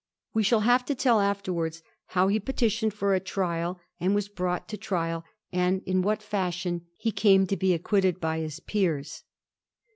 We shall have to tell after wards how he petitioned for a trial, and was brought to trial, and in what fashion he came to be acquitted by his peers.